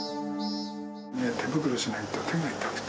手袋しないと手が痛くて。